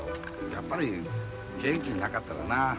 やっぱり現金なかったらな。